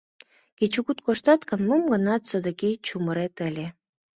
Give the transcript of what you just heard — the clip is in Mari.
Кечыгут коштат гын, мом-гынат содыки чумырет ыле...